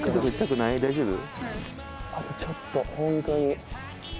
あとちょっとほんとに。